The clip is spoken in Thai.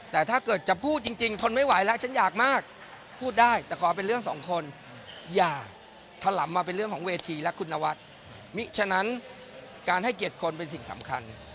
แต่ถ้าเกิดจะพูดจริงทนไม่ไหวแล้วฉันอยากมาก